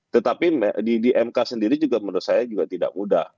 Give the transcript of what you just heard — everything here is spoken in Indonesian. tetapi di mk sendiri juga menurut saya juga tidak mudah